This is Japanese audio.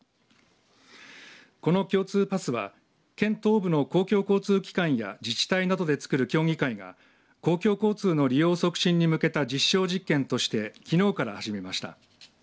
この共通パスは県東部の公共交通機関や自治体などでつくる協議会が公共交通の利用促進に向けた実証実験としてきのうから始めました。